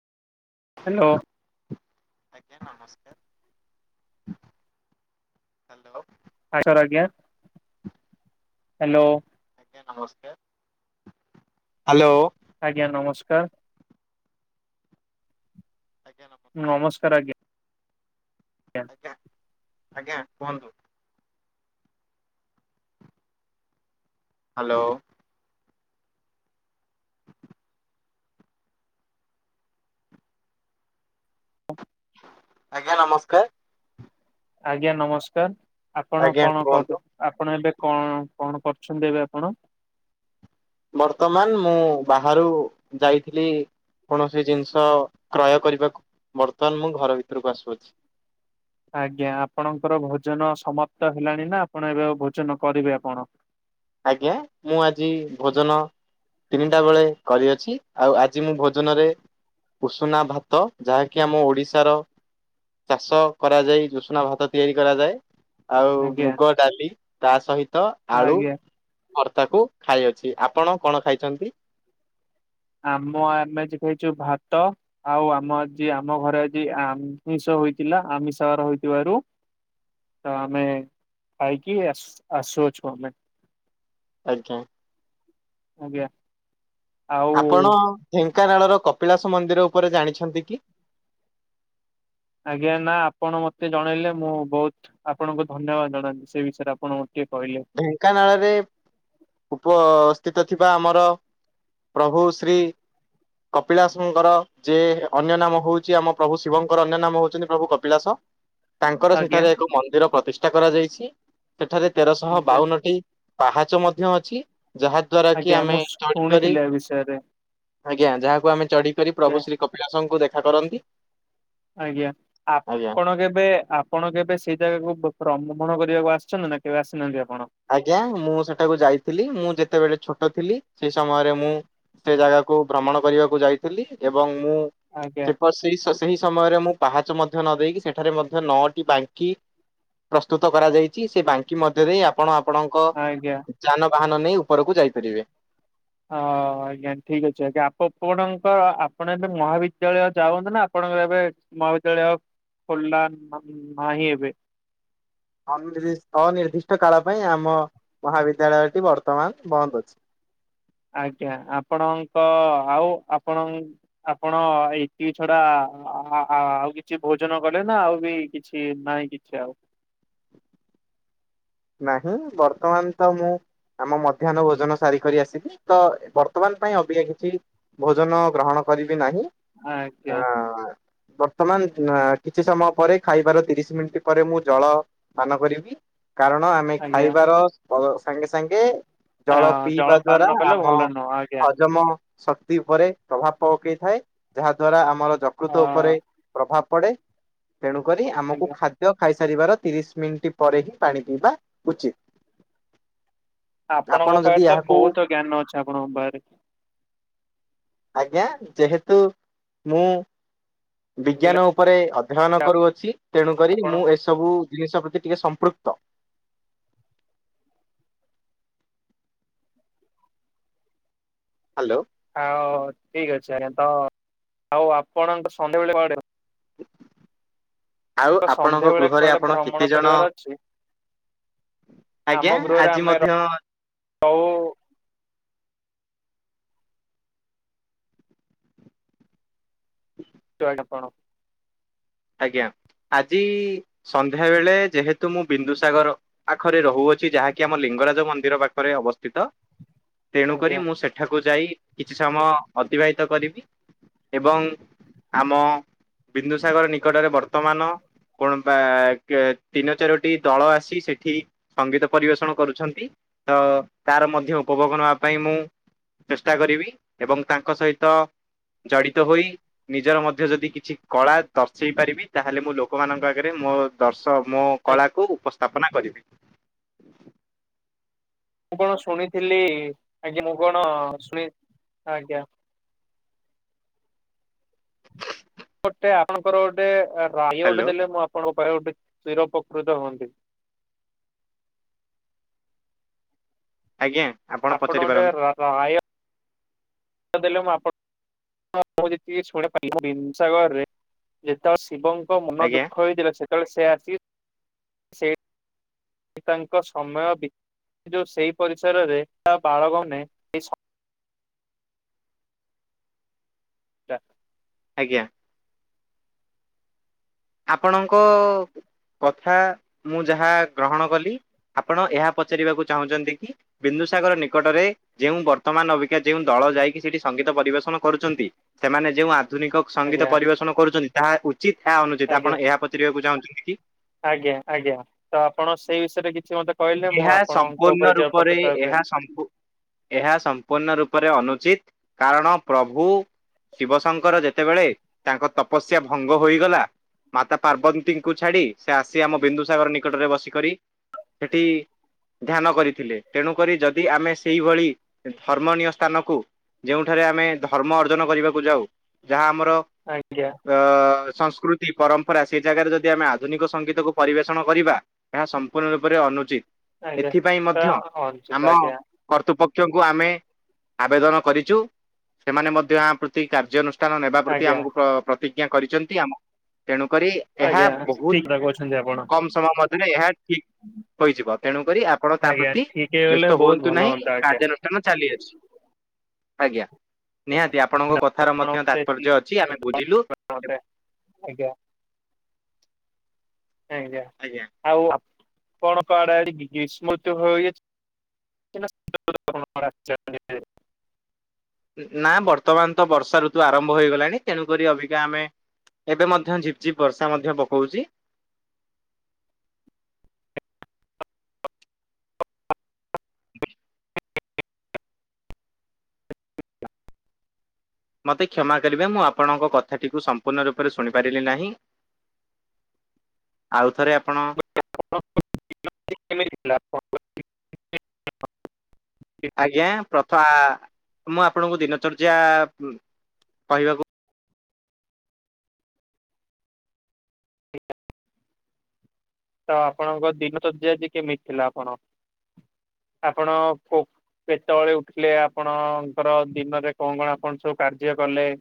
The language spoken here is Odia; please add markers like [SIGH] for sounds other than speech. ହାଲୋ। ଆଜ୍ଞା ନମସ୍କାର ହାଲୋ। [UNINTELLIGIBLE] ହ୍ୟାଲୋ। ଆଜ୍ଞା ନମସ୍କାର ହ୍ୟାଲୋ। ଆଜ୍ଞା ନମସ୍କାର। ଆଜ୍ଞା ନ ନମସ୍କାର ଆଜ୍ଞା। ଜ୍ଞା ଆଜ୍ଞା ଆଜ୍ଞା କୁହନ୍ତୁ? ହ୍ୟାଲୋ ଆଜ୍ଞା ନମସ୍କାର। ଆଜ୍ଞା ନମସ୍କାର ଆପଣ ଆଜ୍ଞା କଣ କୁହନ୍ତୁ କର ଆପଣ ଏବେ କଣ କଣ କରୁଛନ୍ତି ଏବେ ଆପଣ? ବର୍ତ୍ତମାନ ମୁଁ ବାହାରୁ ଯାଇଥିଲି କୌଣସି ଜିନିଷ କ୍ରୟ କରିବାକୁ ବର୍ତ୍ତମାନ ମୁଁ ଘର ଭିତରକୁ ଆସୁଅଛି। ଆଜ୍ଞା ଆପଣଙ୍କର ଭୋଜନ ସମାପ୍ତ ହେଲାଣି ନା ଆପଣ ଏବେ ଭୋଜନ କରିବେ ଆପଣ? ଆଜ୍ଞା ମୁଁ ଆଜି ଭୋଜନ ତିନିଟା ବେଳେ କରିଅଛି ଆଉ ଆଜି ମୁଁ ଭୋଜନରେ ଉସୁନା ଭାତ ଯାହାକି ଆମ ଓଡିଶାର ଚାଷ କରାଯାଇ ଉଷୁନା ଭାତ ତିଆରି କରାଯାଏ। ଆଉ ଆଜ୍ଞା ମୁଗ ଡାଲି ତା ସହିତ ଆଳୁ। ଆଜ୍ଞା ଭର୍ତ୍ତାକୁ ଖାଇ ଅଛି ଆପଣ କଣ ଖାଇଛନ୍ତି? ଆମ ଆମେ ଏ ଯୋଉ ଭାତ ଆଉ ଆମ ଜି ଆମ ଘରେ ଆଜି ଆମିଷ ହୋଇଥିଲା ଆମିଷର ହୋଇଥିବାରୁ। ତ ଆମେ ଖାଇକି ଆସୁ ଆସୁଅଛୁ ଆମେ। ଆଜ୍ଞା। ଆଜ୍ଞା। ଆପଣ ଆଉ ଢେଙ୍କାନାଳର କପିଳାସ ମନ୍ଦିର ଉପରେ ଜାଣିଛନ୍ତି କି? ଆଜ୍ଞା ନା, ଆପଣ ମତେ ଜଣେଇଲେ ମୁଁ ବହୁତ ଆପଣଙ୍କୁ ଧନ୍ୟବାଦ ଜଣାନ୍ତି। ସେ ବିଷୟରେ ଆପଣ ମତେ ଟିକେ କହିଲେ। ଇଁ ଢେଙ୍କାନାଳରେ ଉପସ୍ଥିତ ଥିବା ଆମର ପ୍ରଭୁ ଶ୍ରୀ କପିଳାସଙ୍କର ଯେ ଅନ୍ୟ ନାମ ହଉଛି ଆମ ପ୍ରଭୁ ଶିବଙ୍କର ଅନ୍ୟ ନାମ ହଉଛନ୍ତି ପ୍ରଭୁ କପିଳାସ। ତାଙ୍କର ଆଜ୍ଞା ସେଠାରେ ଏକ ମନ୍ଦିର ପ୍ରତିଷ୍ଠା କରାଯାଇଛି। ସେଠାରେ ତେରଶହ ଆଜ୍ଞା ବାଉନଟି ପାହାଚ ମଧ୍ୟ ଅଛି। ଯାହା ଦ୍ଵାରା କି ଆଜ୍ଞା ଆମେ ମୁଁ ଚଢ଼ି କରି, ଶୁଣିଥିଲି ଏ ବିଷୟରେ ଆଜ୍ଞା ଯାହାକୁ ଆମେ ଚଢ଼ି କରି ଆଜ୍ଞା। ପ୍ରଭୁ ଶ୍ରୀ କପି ପଳାସଙ୍କୁ ଦେଖା କରନ୍ତି ଆଜ୍ଞା। ଆଜ୍ଞା। ଆପଣ କେବେ ଆପ ଆପଣ କେବେ ସେଇ ଜାଗାକୁ ବ୍ର ଭ୍ରମଣ କରିବାକୁ ଆସିଛନ୍ତି, ନା କେବେ ଆସିନାହାଁନ୍ତି ଆପଣ? ଆଜ୍ଞା, ମୁଁ ସେଟାକୁ ଯାଇଥିଲି। ମୁଁ ଯେତେବେଳେ ଛୋଟ ଥିଲି, ସେଇ ସମୟରେ ମୁଁ ସେ ଜାଗାକୁ ଭ୍ରମଣ କରିବାକୁ ଯାଇଥିଲି। ଏବଂ ମୁଁ ଆଜ୍ଞା ସେ ଫସ ସେଇ ସ ସେହି ସମୟରେ ମୁଁ ପାହାଚ ମଧ୍ୟ ନ ଦେଇକି, ସେଠାରେ ମଧ୍ୟ ନଅଟି ବାଙ୍କି ପ୍ରସ୍ତୁତ କରାଯାଇଛି, ସେ ବାଙ୍କି ମଧ୍ୟ ଦେଇ ଆପ ଆପଣ ଆପଣଙ୍କ ଆଜ୍ଞା। ଯାନବାହାନ ନେଇ ଉପରକୁ ଯାଇପାରିବେ। ହଁ ଆଜ୍ଞା, ଠିକ ଅଛି ଆଜ୍ଞା। ଆପ ପଣଙ୍କର ଆପଣ ଏବେ ମହାବିଦ୍ୟାଳୟ ଯାଉନ୍ତୁ, ନା ଆପଣଙ୍କର ଏବେ ମହାବିଦ୍ୟାଳୟ ଖୋଲା ନାହିଁ ଏବେ। ଅନିର୍ଦ୍ଦି ଅନିର୍ଦ୍ଦିଷ୍ଟ କାଳ ପାଇଁ ଆମ ମହାବିଦ୍ୟାଳୟଟି ବର୍ତ୍ତମାନ ବନ୍ଦ ଅଛି। ଆଜ୍ଞା। ଆପଣଙ୍କ ଆଉ ଆପଣ ଆପଣ ଏଇତିକି ଛଡା ଆ-ଆ-ଆଉ କିଛି ଭୋଜନ କଲେ ନା ଆଉ ବି କିଛି କି ନାଇଁ କିଛି ଆଉ। ନାହିଁ, ବର୍ତ୍ତମାନ ତ ମୁଁ ଆମ ମଧ୍ୟାହ୍ନ ଭୋଜନ ସାରି କରି ଆସିବି ତ, ବର୍ତ୍ତମାନ ପାଇଁ ଅବିକା କିଛି ଭୋଜନ ଗ୍ରହଣ କରିବି ନାହିଁ। ଆଜ୍ଞା ଆ ବର୍ତ୍ତମାନ ନା କିଛି ସମୟ ପରେ, ଖାଇବାର ତିରିଶ ମିନିଟ ପରେ ମୁଁ ଜଳ ପାନ କରିବି କାରଣ ଆମେ ଆଜ୍ଞା ଖାଇବାର ପ ସାଙ୍ଗେ ସାଙ୍ଗେ ଅ, ଜଳ ପିଇବା ଜଳପାନ ଦ୍ଵାରା ନ କଲେ ଆମ ଭଲ ନୁହଁ ଆଜ୍ଞା ହଜମ ଶକ୍ତି ଉପରେ ପ୍ରଭାବ ପ-ପକେଇଥାଏ। ଯାହାଦ୍ଵାରା ଆମର ଅ, ଯକୃତ ଉପରେ ପ୍ରଭାବ ପଡେ, ତେଣୁକରି ଆମକୁ ଆଜ୍ଞା ଖାଦ୍ୟ ଖାଇସାରିବାର ତିରିଶ ମିଣ୍ଟି ପରେ ହିଁ ପାଣି ପିଇବା ଉଚିତ। ଆପଣ ଆପଣଙ୍କ ପାଖ ଯଦି ତ ଏହାକୁ ବହୁତ ଜ୍ଞାନ ଅଛି ଆପଣଙ୍କ ପାଖରେ। ଆଜ୍ଞା? ଯେହେତୁ ମୁଁ ମୁଁ କହିଲି ବିଜ୍ଞାନ ଉପରେ ଅଧ୍ୟୟନ କରୁଅଛି, ତେଣୁକରି ଆପଣ ମୁଁ ଏସବୁ ଜିନିଷ ପ୍ରତି ଟିକେ ସମ୍ପୃକ୍ତ। ହ୍ୟାଲୋ। ହଉ ଠିକ ଅଛି ଆଜ୍ଞା। ତ ଆଉ ଆପଣ ତ ସନ୍ଧ୍ୟାବେଳେ କୁଆଡେ ଆଉ ଆପଣଙ୍କ ସନ୍ଧ୍ୟାବେଳେ ଗୃହରେ କୁଆଡ଼େ ଆପଣ ଭ୍ରମଣ କେତେଜଣ କରିବାର ଅଛି ଆଜ୍ଞା, ଆଜି ମଧ୍ୟ ଆଉ ହଁ ରୁହନ୍ତି ଆପଣ? ଆଜ୍ଞା। ଆଜି ସନ୍ଧ୍ୟାବେଳେ ଯେହେତୁ ମୁଁ ବିନ୍ଦୁସାଗର ପାଖରେ ରହୁଅଛି, ଯାହାକି ଆମ ଲିଙ୍ଗରାଜ ମନ୍ଦିର ପାଖରେ ଅବସ୍ଥିତ। ତେଣୁ ଆଜ୍ଞା କରି ଆଜ୍ଞା ମୁଁ ସେଠାକୁ ଯାଇ କିଛି ସମୟ ଅତିବାହିତ କରିବି। ଏବଂ ଆମ ବିନ୍ଦୁସାଗର ନିକଟରେ ବର୍ତ୍ତମାନ କଣ ବା କେ ତିନୋ ଚାରୋଟି ଦଳ ଆସି ସେଠି ସଙ୍ଗୀତ ପରିବେଷଣ କରୁଛନ୍ତି। ତ ତାର ମଧ୍ୟ ଉପଭୋଗ ନବା ପାଇଁ ମୁଁ ଚେଷ୍ଟା କରିବି ଏବଂ ତାଙ୍କ ସହିତ ଜଡ଼ିତ ହୋଇ ନିଜର ମଧ୍ୟ ଯଦି କିଛି କଳା ଦର୍ଶ ହେଇପାରିବି ତାହେଲେ ମୁଁ ଲୋକମାନଙ୍କ ଆଗରେ ମୋ ଦର୍ଶ ମୋ କଳାକୁ ଉପସ୍ଥାପନା କରିବି। ମୁଁ କଣ ଶୁଣିଥିଲି ଆଜ୍ଞା ମୁଁ କଣ ଶୁଣି ଆଜ୍ଞା ଗୋଟେ ଆପଣଙ୍କର ଗୋଟେ ରାୟ ଗୋଟେ ହ୍ୟାଲୋ ଦେଲେ ମୁଁ ଆପଣଙ୍କ ପାଖେ ଗୋଟେ ଚିରୋପକୃତ ହୁଅନ୍ତି। ଆଜ୍ଞା। ଆପଣ ପଚାରି ଗୋଟେ ପାରନ୍ତି ରାୟ। ଦେଲେ ମୁଁ ଆପଣ ମୁ ଯେତିକି ଶୁଣିିି [INAUDIBLE] ସାଗରରେ ଯେତେବେଳେ ଶିବଙ୍କ ମନ ଆଜ୍ଞା ଦୁଃଖ ହେଇଥିଲା ସେତେବେଳେ ସେ ଆସି କି ତାଙ୍କ ସମୟ ବି ଯେଉଁ ସେଇ ପରିସରରେ ତା ବାଳକ ମାନେ। ଆ [INAUDIBLE] ଆଜ୍ଞା। ଆପଣଙ୍କ କଥା ମୁଁ ଯାହା ଗ୍ରହଣ କଲି। ଆପଣ ଏହା ପଚାରିବାକୁ ଚାହୁଁଛନ୍ତି କି ବିନ୍ଦୁସାଗର ନିକଟରେ ଯେଉଁ ବର୍ତ୍ତମାନ ଅବିକା ଯେଉଁ ଦଳ ଯାଇକି ସେଠି ସଙ୍ଗୀତ ପରିବେଷଣ କରୁଚନ୍ତି ସେମାନେ ଯେଉଁ ଆଧୁନିକ ସଙ୍ଗୀତ ଆଜ୍ଞା ପରିବେଷଣ କରୁଛନ୍ତି ତାହା ଉଚିତ ଆ ଅନୁଚିତ ଆଜ୍ଞା ଆପଣ ଏହା ପଚାରିବାକୁ ଚାହୁଁଛନ୍ତି କି? ଆଜ୍ଞା ଆଜ୍ଞା ତ ଆପଣ ସେଇ ବିଷୟରେ କିଛି ମତେ କହିଲେ ମୁଁ ଏହା ଆପଣଙ୍କ ସମ୍ପୂର୍ଣ୍ଣ ଉପରେ ରୂପରେ ଚିରୋପକୃତ ହେବି ଏହା ସମ୍ପୁ ଏହା ସମ୍ପୂର୍ଣ୍ଣ ରୂପରେ ଅନୁଚିତ କାରଣ ପ୍ରଭୁ ଶିବ ଶଙ୍କର ଯେତେବେଳେ ତାଙ୍କ ତପସ୍ୟା ଭଙ୍ଗ ହୋଇଗଲା ମାତା ପାର୍ବତୀଙ୍କୁ ଛାଡ଼ି ସେ ଆସି ଆମ ବିନ୍ଦୁସାଗର ନିକଟରେ ବସିକରି ସେଠି ଇ ଧ୍ୟାନ କରିଥିଲେ ତେଣୁକରି ଯଦି ଆମେ ସେଇଭଳି ଧର୍ମଣୀୟ ସ୍ଥାନକୁ ଯେଉଁଠାରେ ଆମେ ଧର୍ମ ଅର୍ଜନ କରିବାକୁ ଯାଉ ଯାହା ଆମର ଆଜ୍ଞା। ଅ ସଂସ୍କୃତି ପରମ୍ପରା ସେ ଜାଗାରେ ଯଦି ଆମେ ଆଧୁନିକ ସଙ୍ଗୀତକୁ ପରିବେଷଣ କରିବା ଏହା ସମ୍ପୂର୍ଣ୍ଣ ରୂପରେ ଅନୁଚିତ ଆଜ୍ଞା ଏଥିପାଇଁ ତ ମଧ୍ୟ ଆମ ଅଞ୍ଚିତ ଆଜ୍ଞା କର୍ତ୍ତୃପକ୍ଷଙ୍କୁ ଆମେ ଆବେଦନ କରିଚୁ ସେମାନେ ମଧ୍ୟ ଆ ପ୍ରତି କାର୍ଯ୍ୟାନୁ ସ୍ଥାନ ନେବା ପ୍ରତି ଆଜ୍ଞା ଆମକୁ ପ୍ର ପ୍ରତିଜ୍ଞା କରିଚନ୍ତି ଆମ ତେଣୁ କରି ଏହା ଆଜ୍ଞା ବହୁତ ଠିକ୍ କଥା କହୁଛନ୍ତି ଆପଣ କମ ସମୟ ମଧ୍ୟରେ ଏହା ଠିକ। ହୋଇଯିବ ତେଣୁକରି ଆପଣ ତା ଆଜ୍ଞା ପ୍ରତି ଠିକ୍ ହେଇଗଲେ ବ୍ୟସ୍ତ ବହୁତ ହୁଅନ୍ତୁ ଭଲ ନାହିଁ ହୁଅନ୍ତା ଆଜ୍ଞା। କାର୍ଯ୍ୟାନୁ ଷ୍ଟାନ ଚାଲି ଅଛି ଆଜ୍ଞା। ନିହାତି ଆପଣଙ୍କ କଥାର ମଧ୍ୟ ତାତ୍ପର୍ଯ୍ୟ ଅଛି ଆମେ ବୁଝିଲୁ। ହ ତେ ଆଜ୍ଞା। ଆଜ୍ଞା। ଆଜ୍ଞା [INAUDIBLE] ଆଉ ଆପଣଂକ ଆଡେ ଆଡେ ଗ୍ରୀଷ୍ମୃଋତୁ ହୋଇଅଛି? [UNINTELLIGIBLE] ନା ବର୍ତ୍ତମାନ ତ ବର୍ଷା ଋତୁ ଆରମ୍ଭ ହୋଇଗଲାଣି ତେଣୁକରି ଅବିକା ଆମେ ଏବେ ମଧ୍ୟ ଝିପଝିପ ବର୍ଷା ମଧ୍ୟ ପକଉଛି। ମତେ କ୍ଷମା କରିବେ ମୁଁ ଆପଣଙ୍କ କଥାଟିକୁ ସମ୍ପୂର୍ଣ୍ଣ ରୂପରେ ଶୁଣି ପାରିଲି ନାହିଁ। ଆଉଥରେ ଆପଣ? [UNINTELLIGIBLE] ଆଜ୍ଞା ପ୍ରପା, ମୁଁ ଆପଣଙ୍କୁ ଦିନଚର୍ଯ୍ୟା କହିବାକୁ [UNINTELLIGIBLE] ତ ଆପଣଙ୍କ ଦିନଚର୍ଯ୍ୟାଟି କେମିତି ଥିଲା ଆପଣ ଆପଣ କଉ ପେଟବେଳେ ଉଠିଲେ ଆପଣଙ୍କର ଦିନରେ କଣ କଣ ଆପଣ ସବୁ କାର୍ଯ୍ୟ କଲେ?